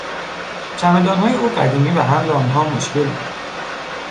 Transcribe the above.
چمدانهای او قدیمی و حمل آنها مشکل بود.